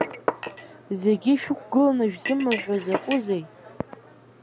Зегьы шәықәгыланы шәзымҳәҳәо закәызеи?